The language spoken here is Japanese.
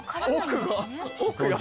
奥が。